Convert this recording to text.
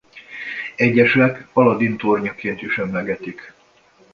Egyesek Aladdin tornyaként is emlegetik.